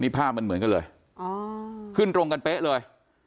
ภาพมันเหมือนกันเลยขึ้นตรงกันเป๊ะเลย